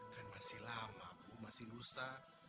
kan masih lama aku masih lusa